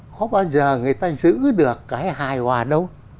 không bao giờ người ta giữ được cái hài hòa đâu